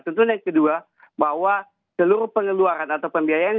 tentunya yang kedua bahwa seluruh pengeluaran atau pembiayaan